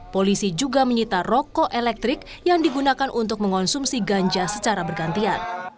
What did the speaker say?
polisi juga menyita rokok elektrik yang digunakan untuk mengonsumsi ganja secara bergantian